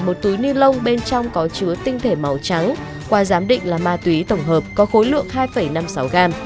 một túi ni lông bên trong có chứa tinh thể màu trắng qua giám định là ma túy tổng hợp có khối lượng hai năm mươi sáu g